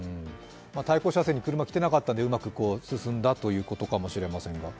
対向車線に車が来ていなかったから、うまく進んだということかもしれませんが。